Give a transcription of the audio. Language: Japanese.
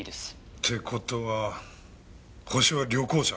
って事はホシは旅行者？